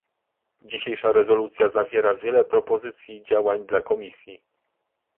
Dzisiejsza rezolucja zawiera wiele propozycji działań dla komisji